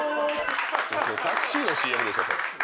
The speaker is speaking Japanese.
タクシーのＣＭでしょそれ。